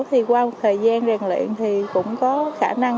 thì qua thời gian rèn luyện thì cũng có khả năng